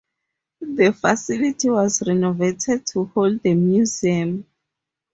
The facility was renovated to hold the museum.